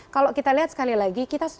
kalau kita lihat sekali lagi kita